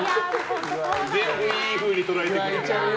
いいふうに捉えてくれる。